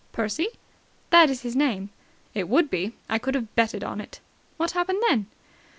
"Percy?" "That is his name." "It would be! I could have betted on it." "What happened then?"